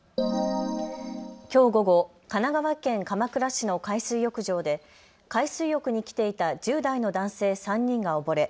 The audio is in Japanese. きょう午後、神奈川県鎌倉市の海水浴場で海水浴に来ていた１０代の男性３人が溺れ